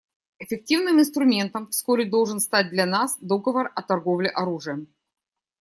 Эффективным инструментом вскоре должен стать для нас договор о торговле оружием.